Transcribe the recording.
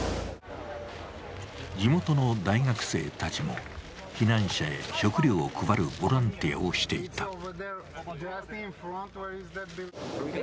地元の大学生たちも避難者へ食料を配るボランティアをしていた。